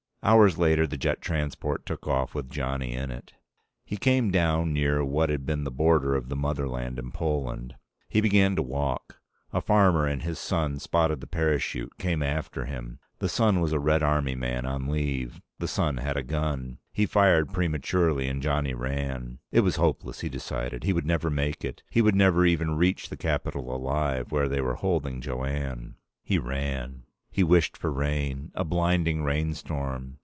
Hours later, the jet transport took off with Johnny in it. He came down near what had been the border of the motherland and Poland. He began to walk. A farmer and his son spotted the parachute, came after him. The son was a Red Army man on leave. The son had a gun. He fired prematurely, and Johnny ran. It was hopeless, he decided. He would never make it. He would never even reach the capital alive, where they were holding Jo Anne. He ran. He wished for rain. A blinding rainstorm.